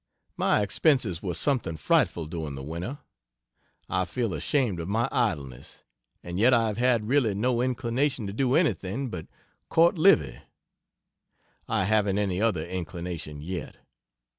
My expenses were something frightful during the winter. I feel ashamed of my idleness, and yet I have had really no inclination to do anything but court Livy. I haven't any other inclination yet.